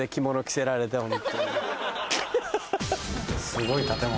すごい建物。